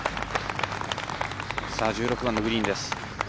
１６番のグリーンです。